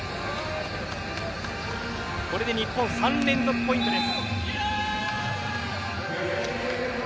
これで日本３連続ポイントです。